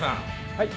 はい。